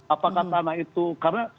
apakah tanah itu karena